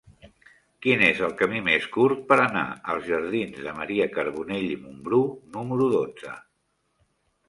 Quin és el camí més curt per anar als jardins de Maria Carbonell i Mumbrú número dotze?